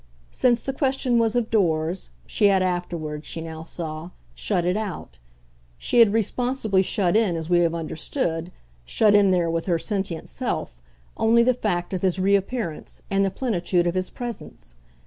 Since the question was of doors, she had afterwards, she now saw, shut it out; she had responsibly shut in, as we have understood, shut in there with her sentient self, only the fact of his reappearance and the plenitude of his presence.